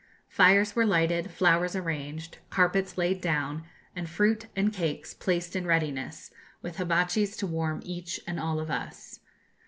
Fires were lighted, flowers arranged, carpets laid down, and fruit and cakes placed in readiness, with hibatchis to warm each and all of us.